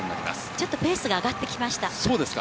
ちょっとペースが上がってきそうですか。